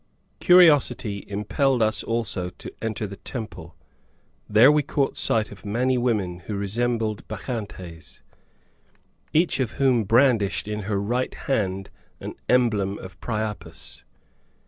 Curiosity impelled us also to enter the temple. There we caught sight of many women, who resembled Bacchantes, each of whom brandished in her right hand an emblem of Priapus.